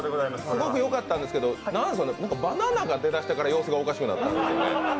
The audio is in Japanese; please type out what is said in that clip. すごくよかったんですけど、バナナが出てから様子がおかしくなったんで。